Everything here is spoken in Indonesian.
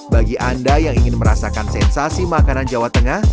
bagi anda yang ingin merasakan sensasi makanan jawa tengah